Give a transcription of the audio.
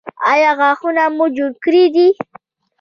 ایا غاښونه مو جوړ کړي دي؟